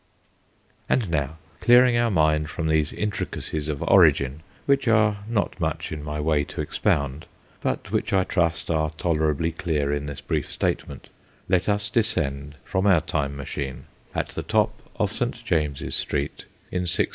And now, clearing our minds from these intricacies of origin which are not much in my way to expound, but which I trust are tolerably clear in this brief statement let us descend from our Time Machine, at the top of St. James's Street, in 1664.